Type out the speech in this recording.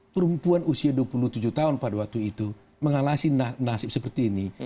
perempuan usia dua puluh tujuh tahun pada waktu itu mengawasi nasib seperti ini